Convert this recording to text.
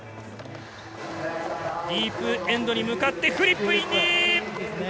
ディープエンドに向かって、フリップインディ。